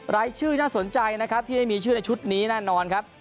รายชื่อน่าสนใจนะครับที่ได้มีชื่อในชุดนี้แน่นอนครับ